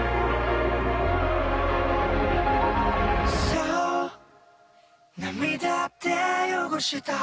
「そう、涙で汚した」